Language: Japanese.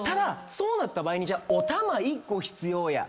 そうなった場合におたま１個必要や。